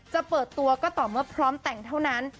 จะเปิดตัวก็ต่อเมื่อพร้อมแต่งเท่านั้น